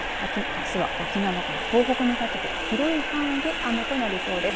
あすは沖縄から東北にかけて広い範囲で雨となりそうです。